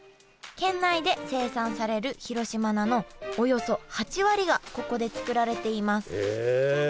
県内で生産される広島菜のおよそ８割がここで作られています